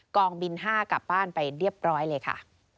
กองบิน๕กลับบ้านไปเรียบร้อยเลยค่ะ